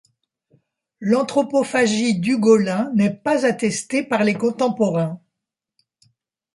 L'anthropophagie d'Ugolin n'est pas attestée par les contemporains.